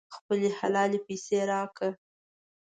خپلې حلالې پیسې راکړه.